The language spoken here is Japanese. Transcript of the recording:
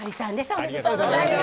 おめでとうございます。